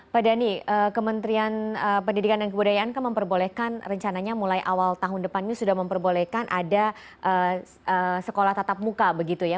pak dhani kementerian pendidikan dan kebudayaan kan memperbolehkan rencananya mulai awal tahun depan ini sudah memperbolehkan ada sekolah tatap muka begitu ya